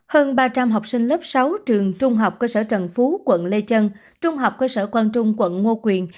hơn ba trăm linh học sinh lớp sáu trường trung học cơ sở trần phú quận lê chân trung học cơ sở quang trung quận ngo quyền